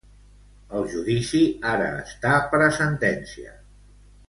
El judici ara està per a sentència.